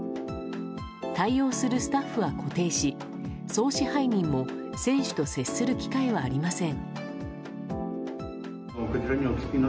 対応するスタッフは固定し総支配人も選手と接する機会はありません。